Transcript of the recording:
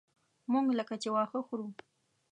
موږ لکه چې واښه خورو.